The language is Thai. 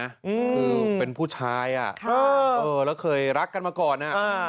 คือเป็นผู้ชายแล้วเคยรักกันมาก่อน